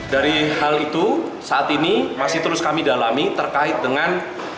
dari hal itu saat ini masih terus kami dalami terkait dengan